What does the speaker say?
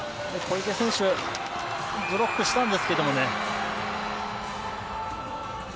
小池選手、ブロックしたんですけどもね。